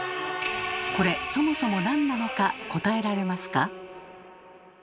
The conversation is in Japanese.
これそもそも何なのか答えられますか？